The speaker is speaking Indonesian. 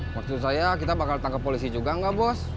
maksud saya kita bakal tangkap polisi juga enggak bos